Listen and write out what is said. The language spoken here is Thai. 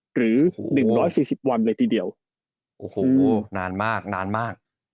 หรือ๑๔๐วันเลยทีเดียวโอ้โหนานมากนานมาก